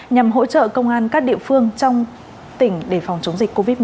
nhằm hỗ trợ công an các địa phương trong tỉnh để phòng chống dịch covid một mươi chín